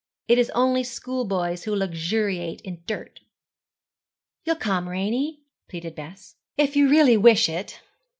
It is only schoolboys who luxuriate in dirt.' 'You'll come, Ranie?' pleaded Bess. 'If you really wish it.'